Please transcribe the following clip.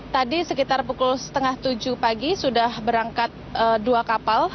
tadi sekitar pukul setengah tujuh pagi sudah berangkat dua kapal